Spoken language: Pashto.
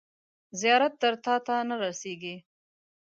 زیارت تر تاته نه رسیږي.